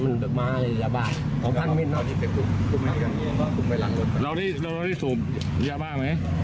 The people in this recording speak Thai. คุณไม่ได้หยินหลับไม่ได้นอนทำไม